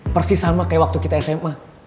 persis sama kayak waktu kita sma